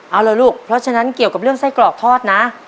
เอาล่ะลูกเพราะฉะนั้นเกี่ยวกับเรื่องไส้กรอกทอดนะ